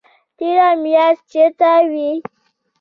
تېره میاشت چیرته وئ؟